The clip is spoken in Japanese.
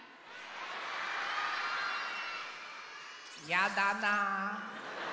やだなぁ。